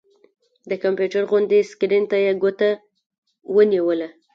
د کمپيوټر غوندې سکرين ته يې ګوته ونيوله